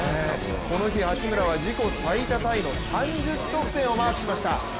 この日、八村は自己最多タイの３０得点をマークしました。